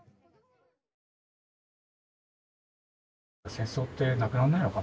戦争ってなくなんないのかね？